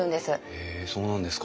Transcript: へえそうなんですか。